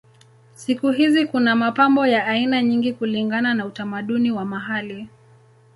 Siku hizi kuna mapambo ya aina nyingi kulingana na utamaduni wa mahali.